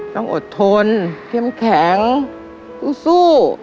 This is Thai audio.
ต้องอดทนเข้มแข็งสู้